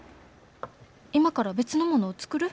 今から別のものを作る？